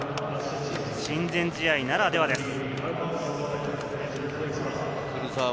親善試合ならではです。